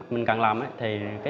mình càng làm thì